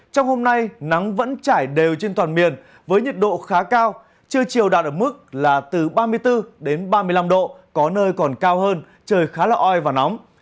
trong hôm nay nắng vẫn trải đều trên toàn miền với nhiệt độ khá cao trưa chiều đạt ở mức là từ ba mươi bốn ba mươi năm độ có nơi còn cao hơn trời khá là oi và nóng